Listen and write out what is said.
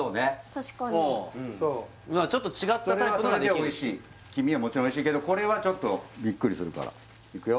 確かにちょっと違ったタイプのができるそれはそれでおいしい黄身はもちろんおいしいけどこれはちょっとビックリするからいくよ